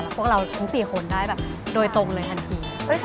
พวกเราทั้ง๔คนได้แบบโดยตรงเลยทันที